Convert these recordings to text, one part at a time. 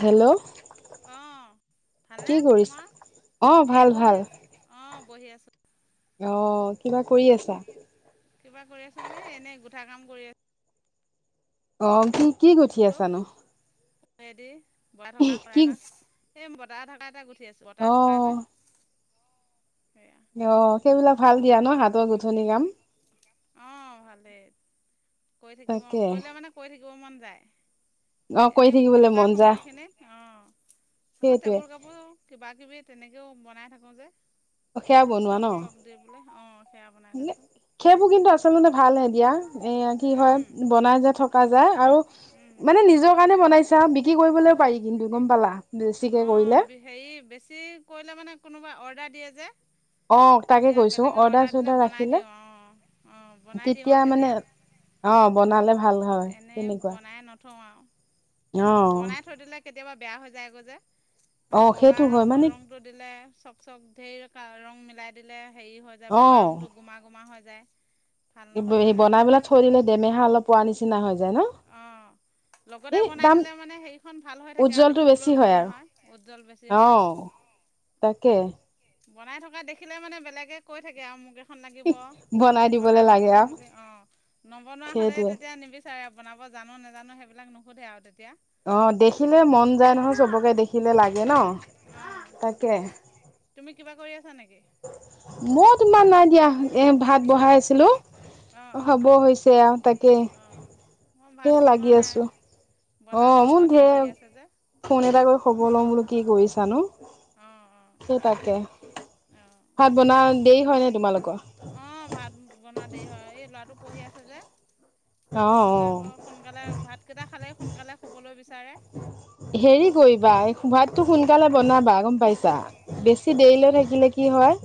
Hello অ ভালনে? কি কৰিছ? তোমাৰ অ ভাল এই বহি ভাল আছো অ বহি আছো। অ কিবা কৰি আছা? কিবা কৰি আছানে, এনেই গোঠা কাম কৰি আছোঁ? অ' অ' কি কি গোঠি আছানোঁ? হাতেদি বঁটা থকা কৰাইখন এই বতাহ থকা এতে গুঠি আছোঁ অ বতাহ থকা যে ৰয় অ সেইবিলাক ভাল দিয়া ন হাত অ ভালেই কৰি থাকিব, তাকে কৰিলে মানে কৰি থাকিব মানে অ যায়। কৰি এনেই বহি থাকিবলৈ থকা মন যা সময়খিনিত অ' আকৌ সেইটোৱে টেবুল কাপোৰ কিবা কিবি তেনেকৈও বনাই থাকোঁ যে সেয়া বনোৱা ন চক চক দি পোলে অঁ সেয়া বনাই থাকোঁ সেইবোৰ কিন্তু আচলতে ভালহে দিয়া এ কি হয় বনাই যে থকা যায় আৰু মানে নিজৰ কাৰণে বনাইছা বিক্ৰী কৰিবলৈও পাৰি কিন্তু গ'ম পালা বেছিকে অঁ কৰিলে। হেৰি বেছি কৰিলে মানে কোনোবাই অৰ্ডাৰ দিয়ে যে। অ' তাকে কৈছোঁ অ'। আহিলে বনাই দিওঁ। অ' অ' বনাই দিওঁ, আহ তেতিয়া। অ বনালে ভাল হয় কেনেকুৱা। এ বনাই থৈ দিলে কেতিয়াবা। বেয়া হৈ যায়গৈ যে অ মানে বগা সেইটো হয় ৰং মানে ৰংটো দিলে। চক চক ঢেৰ ৰং মিলাই দিলে হেৰি হৈ যায় অ বগা ৰংটো গোমা গোমা হৈ যায়। ভাল নহয় মানে বনাই বেলাই থৈ দিলে দেমেহা অলপ পোৱা নিচিনা হৈ যায় ন অঁ লগতে এই বনাই দাম দিলে মানে সেইৰিখন ভাল হৈ থাকে আৰু উজ্জ্বলটো বেছি দেখিবলৈও ধুনীয়া আৰু হয় উজ্জ্বল বেছি অ হয়। তাকে। বনাই থকা দেখিলে মানে বেলেগে কৈ থাকে আৰু মোক এখন লাগিব। বনাই দিবলৈ বনবা লাগে আৰু মোক সেইটোৱে এখন দিবা বনাব জানো নাজানো সেইবিলাক নোসোধে আৰু তেয়া অ' দেখিলে মন যায় নহয় চবকে দেখিলে লাগে ন। অঁ তাকে। তুমি কিবা কৰি আছা নেকি মোৰ তোমাৰ নাই দিয়া এ ভাত বহাই আছিলোঁ। অঁ অঁ হ'ব হৈছে আৰু তাকে। অঁ মই ভাত সেয়ে লাগি বনোৱা নাই। আছো অ বনাম আৰু মোৰ ল'ৰাটো পঢ়ি ঢেৰ আছে যে ফোন এটা কৰি খবৰ লম বোলো কি কৰিছানো। অঁ অঁ সেই তাকে। অঁ ভাত বনোৱা দেৰি হয় নাই তোমালোকৰ বনা দে হয় এই ল'ৰাটো পঢ়ি আছে যে অ', নহলে আকৌ অ'। সোনকালে ভাত কেইটা খালেই সোনকালে শুবলৈ বিচ হেৰি কৰিবা ভাতটো সোন বনাবা গম অঁ পাইছা বেছি দেৰিলৈ থাকিলে কি হয়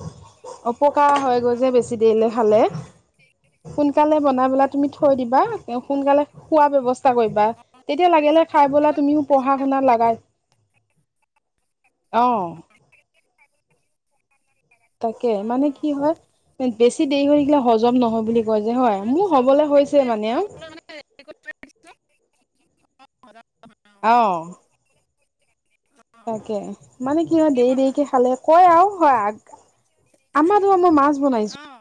অপকাৰ হয়গৈ যে বেছি দেৰিলৈ খালে। সোনকালে বনাই পেলাই তুমি থৈ দিবা সোনকালে খোৱাৰ ব্যৱস্থা কৰিবা। তেতিয়া লাগিলে খাই তুমিও পঢ়া শুনা লগাই অ তাকে অঁ অঁ মানে কি অঁ হয়। বেছি দেৰি হৈ গিলে হজম নহয় বুলি কয় যে হয় মানে মোৰ চব হবলৈ হৈছে গোটেইখিনি মানে আৰু। বনাবলৈ মানে হেৰি কৰি থৈ দিছোঁ [inaudible] [unintelligible] অ। তাকে অঁ মানে কি হয় দেৰি দেৰিকৈ খালে কয় আও হয় আগ আমাৰো আম মাছ বনাইছো। অঁ